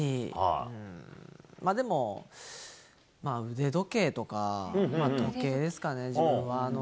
でも腕時計とか、時計ですかね、自分は。